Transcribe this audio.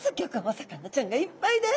魚ちゃんがいっぱいです！